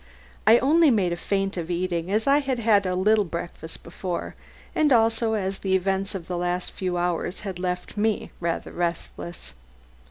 I only made a feint of eating, as I had had a little breakfast before, and also as the events of the last few hours had left me rather restless.